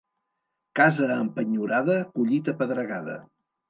Casa empenyorada, collita pedregada.